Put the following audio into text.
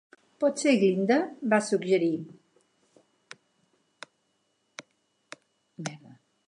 "Pot ser Glinda", va suggerir.